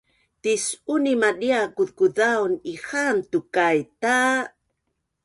Tis’uni madia kuzkuzaun ihaan tukai ta